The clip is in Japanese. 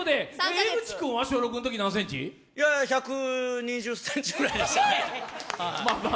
井口君は小６のとき何センチ？１２０ｃｍぐらいでした。